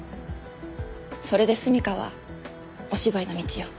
それで純夏はお芝居の道を。